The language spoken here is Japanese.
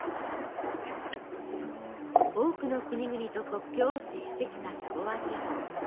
多くの国々と国境を接してきたサヴォワ地方。